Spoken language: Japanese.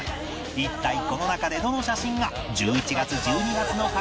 一体この中でどの写真が１１月１２月のカレンダーとなるのか？